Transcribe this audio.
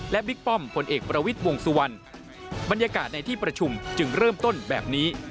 และบิ๊กป้อมผลเอกประวิทย์วงสุวรรณบรรยากาศในที่ประชุมจึงเริ่มต้นแบบนี้